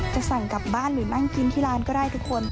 จะสั่งกลับบ้านหรือนั่งกินที่ร้านก็ได้ทุกคน